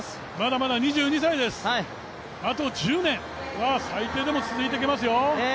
まだまだ２２歳です、あと１０年は最低でも続いていけますよ！